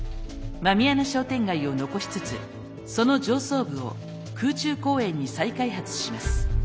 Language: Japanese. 狸穴商店街を残しつつその上層部を空中公園に再開発します。